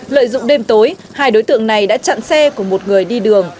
lợi dụng đêm tối hai đối tượng này đã chặn xe của một người đi đường